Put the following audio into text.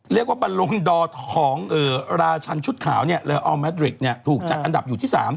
เรียกว่าบัลลุงดอร์ทองราชันชุดขาวเนี่ยอัลแมดริกถูกจัดอันดับอยู่ที่๓